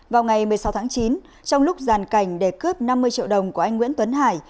vào ngày một mươi sáu tháng chín trong lúc giàn cảnh để cướp năm mươi triệu đồng của anh nguyễn tuấn hải